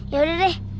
ya sudah deh